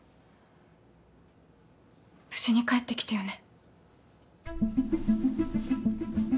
無事に帰ってきてよね